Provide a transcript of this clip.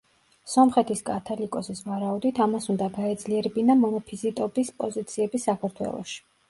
სომხეთის კათალიკოსის ვარაუდით, ამას უნდა გაეძლიერებინა მონოფიზიტობის პოზიციები საქართველოში.